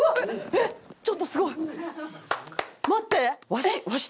えっちょっとすごい！待って！